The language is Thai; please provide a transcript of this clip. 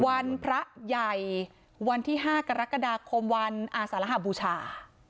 วันพระใหญ่วันที่๕กรกฎาคมวันอาสารหบูชา